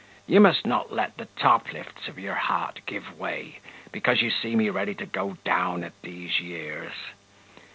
You must not let the toplifts of your heart give way, because you see me ready to go down at these years.